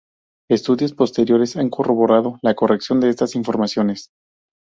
Estudios posteriores han corroborado la corrección de estas informaciones.